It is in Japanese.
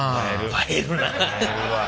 映えるわ。